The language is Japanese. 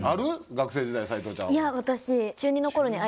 学生時代齊藤ちゃんは。